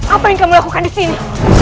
apa yang kamu lakukan di sini